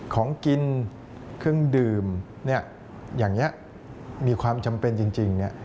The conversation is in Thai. ของกินเครื่องดื่มอย่างนี้มีความจำเป็นจริง